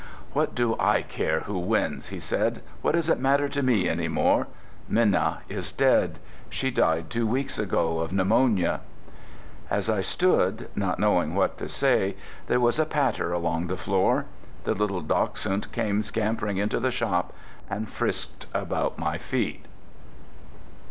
"What do I care who wins?" he said. "What does it matter to me any more? Minna is dead. She died two weeks ago of pneumonia." As I stood, not knowing what to say, there was a patter along the floor. The little dachshund came scampering into the shop and frisked about my feet.